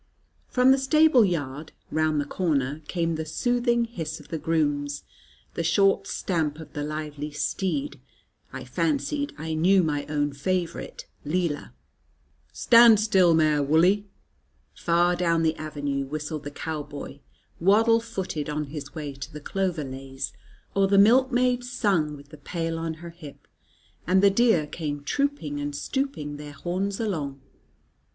From the stable yard, round the corner, came the soothing hiss of the grooms, the short stamp of the lively steed (I fancied I knew my own favourite "Lilla"), and the gruff "Stand still, mare, wull'e?" Far down the avenue whistled the cowboy, waddle footed, on his way to the clover leys, or the milkmaid sung with the pail on her hip, and the deer came trooping and stooping their horns along.